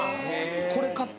これ買って。